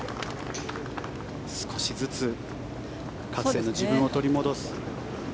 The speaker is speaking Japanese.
少しずつかつての自分を取り戻す。